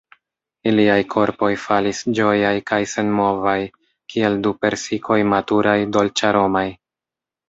Iliaj korpoj falis ĝojaj kaj senmovaj kiel du persikoj maturaj, dolĉaromaj.